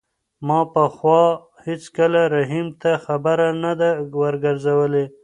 ما پخوا هېڅکله رحیم ته خبره نه ده ورګرځولې.